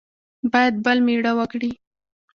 باید بل مېړه وکړي.